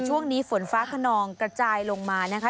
ช่วงนี้ฝนฟ้าขนองกระจายลงมานะคะ